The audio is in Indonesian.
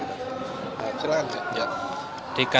ini nanti ya tanggapan kita